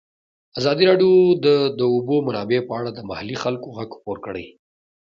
ازادي راډیو د د اوبو منابع په اړه د محلي خلکو غږ خپور کړی.